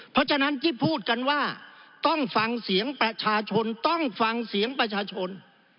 เพราะฉะนั้นที่พูดกันว่าต้องฟังเสียงประชาชนต้องฟังเสียงประชาชน